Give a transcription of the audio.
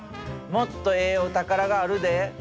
もっとええお宝があるで。